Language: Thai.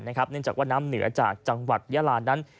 เนื่องจากว่าน้ำเหนือจากจังหวัดยาลานั้น